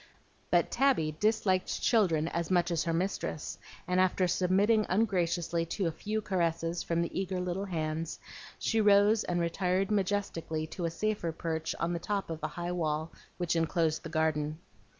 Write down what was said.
But Tabby disliked children as much as her mistress, and after submitting ungraciously to a few caresses from the eager little hands, she rose and retired majestically to a safer perch on the top of the high wall which enclosed the garden.